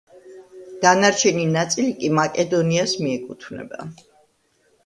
დანარჩენი ნაწილი კი მაკედონიას მიეკუთვნება.